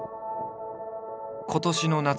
今年の夏